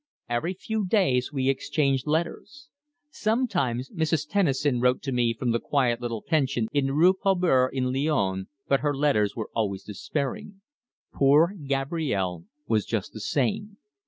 Every few days we exchanged letters. Sometimes Mrs. Tennison wrote to me from the quiet little pension in the Rue Paul Bert, in Lyons, but her letters were always despairing. Poor Gabrielle was just the same.